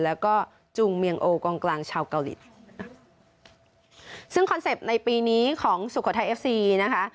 แล้วก็จุงเมียงโอกองกลางชาวเกาหลีซึ่งคอนเซ็ปต์ในปีนี้ของสุโขทัยเอฟซีนะคะ